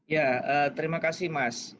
ya terima kasih mas